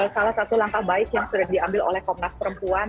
salah satu langkah baik yang sudah diambil oleh komnas perempuan